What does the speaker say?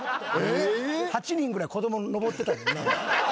８人ぐらい子供登ってたもんな。